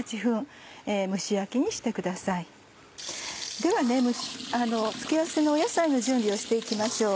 では付け合わせの野菜の準備をして行きましょう。